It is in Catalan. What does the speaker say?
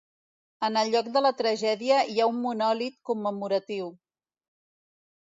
En el lloc de la tragèdia hi ha un monòlit commemoratiu.